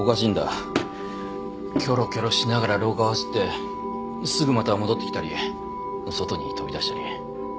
きょろきょろしながら廊下を走ってすぐまた戻ってきたり外に飛び出したり。